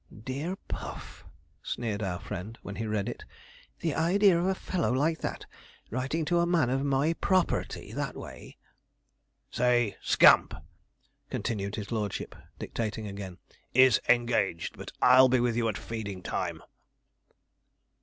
('Dear Puff!' sneered our friend, when he read it; 'the idea of a fellow like that writing to a man of my p r o r perty that way.') 'Say "Scamp,"' continued his lordship, dictating again, '"is engaged, but I'll be with you at feeding time."'